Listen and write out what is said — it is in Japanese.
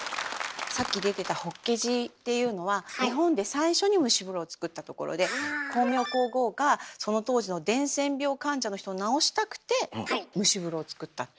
さっき出てた法華寺っていうのは日本で最初に蒸し風呂をつくったところで光明皇后がその当時の伝染病患者の人を治したくて蒸し風呂をつくったって。